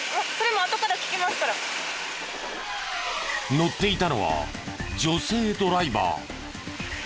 乗っていたのは女性ドライバー。